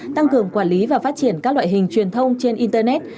tăng cường quản lý và phát triển các loại hình truyền thông trên internet